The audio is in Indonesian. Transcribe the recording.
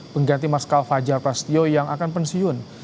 pengganti maskal fajar prasetyo yang akan pensiun